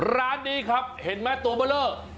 ร้านนี้ครับเห็นไหมตัวเบลอ